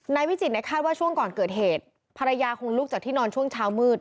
วิจิตคาดว่าช่วงก่อนเกิดเหตุภรรยาคงลุกจากที่นอนช่วงเช้ามืด